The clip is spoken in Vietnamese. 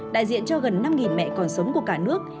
đại diện cho gần năm mẹ còn sống của cả nước